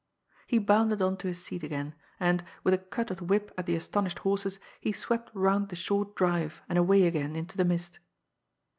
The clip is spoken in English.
He bounded on to his seat again, and, with a cut of the whip at the astonished horses, he swept round the short drive, and away again into the mist.